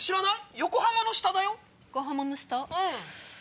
横浜の下？